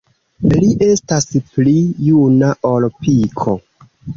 Li estas pli juna ol Piko.